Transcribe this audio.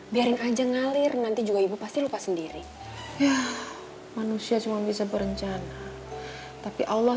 biarin aja ngalir nanti juga ibu pasti lupa sendiri manusia cuma bisa berencana tapi allah